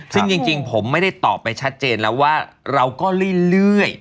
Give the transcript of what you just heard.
ซึ่งจริงผมไม่ได้ตอบไปชัดเจนแล้วว่าเราก็เรื่อย